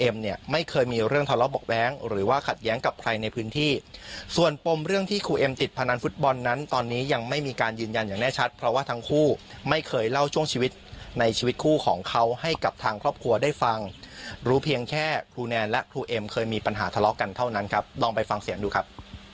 มีการยืนยันอย่างแน่ชัดเพราะว่าทั้งคู่ไม่เคยเล่าช่วงชีวิตในชีวิตคู่ของเขาให้กับทางครอบครัวได้ฟังรู้เพียงแค่ครูแนนและครูเอ็มเคยมีปัญหาทะเลาะกันเท่านั้นครับลองไปฟังเสียงดูครับ